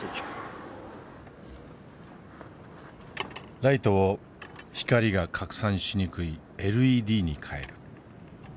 ライトを光が拡散しにくいＬＥＤに替える。